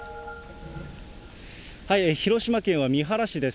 広島県は三原市です。